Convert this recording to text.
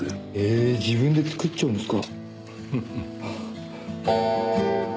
え自分で作っちゃうんですか。